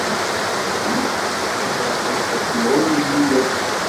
« Amek? Xaṭi, acemma ur yelli yakk. »